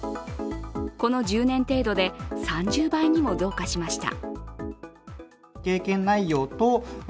この１０年程度で３０倍にも増加しました。